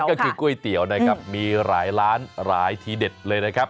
ก็คือก๋วยเตี๋ยวนะครับมีหลายร้านหลายทีเด็ดเลยนะครับ